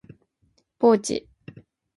ポーチ